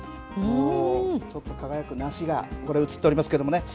ちょっと輝く梨が映っておりますけれどもね